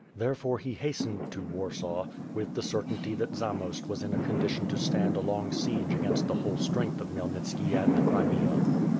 Therefore he hastened to War saw, with the certainty that Zamost was in a condition to stand a long siege against the whole strength of Xhmjelnit ski and the Crimea.